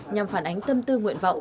nhằm phản ánh tâm tư nguyện vọng